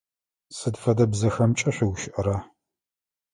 Сыд фэдэ бзэхэмкӏэ шъугущыӏэра?